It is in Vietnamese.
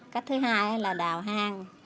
cách thứ hai là đào hang